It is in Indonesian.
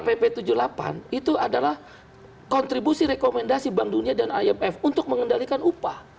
pp tujuh puluh delapan itu adalah kontribusi rekomendasi bank dunia dan imf untuk mengendalikan upah